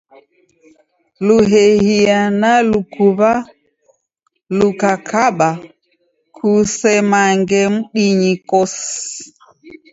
Luw'ew'ia na lukuw'a lukakaba kusemange mdinyi kosi.